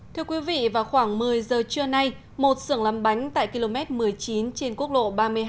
thưa quý vị vào khoảng một mươi giờ trưa nay một sưởng làm bánh tại km một mươi chín trên quốc lộ ba mươi hai